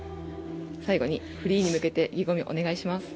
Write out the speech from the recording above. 最後にフリーに向けて意気込みをお願いします。